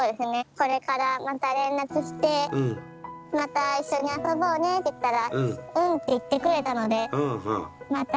これからまた連絡して「また一緒に遊ぼうね」って言ったら「うん」って言ってくれたのでまた